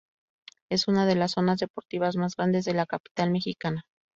Es una de las zonas deportivas más grandes de la capital mexicana.